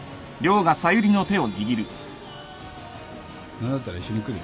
何だったら一緒に来る？